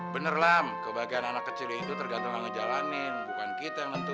bener lam kebahagiaan anak kecil itu tergantung ngejalanin bukan kita yang nentuin